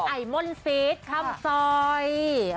ไอม่นซีสคำซอย